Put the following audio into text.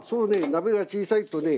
鍋が小さいとね